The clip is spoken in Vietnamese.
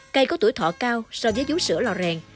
cây có tuổi thọ cao so với vú sữa lò rèn